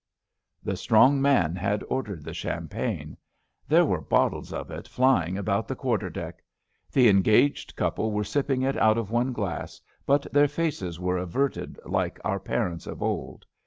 The strong man had ordered the champagne. ITI 77 There were bottles of it flying about the quarter deck. The engaged couple were sipping it out of one glass, but their faces were averted like our parents of old.